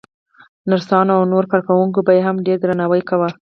نرسانو او نورو کارکوونکو به يې هم ډېر درناوی کاوه.